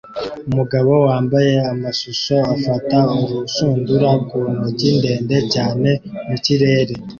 Umugabo wambaye amashusho afata urushundura ku ntoki ndende cyane mu kirere